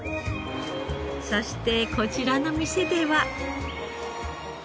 そしてこちらの店では。